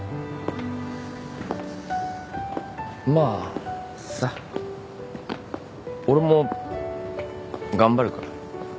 まあさ俺も頑張るから。